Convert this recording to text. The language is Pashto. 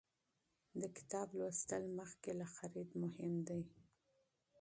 د کتاب مطالعه مخکې له خرید مهمه ده.